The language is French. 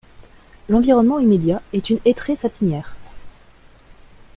L'environnement immédiat est une hétraie-sapinière.